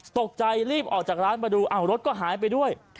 ตกใจรีบออกจากร้านมาดูรถก็หายไปด้วย